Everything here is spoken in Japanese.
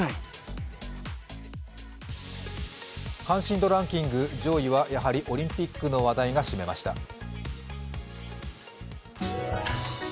関心度ランキング上位はやはりオリンピックの話題が占めました。